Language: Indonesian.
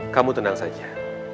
kamu tenang saja